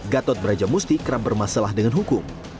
gatot brajamusti kerap bermasalah dengan hukum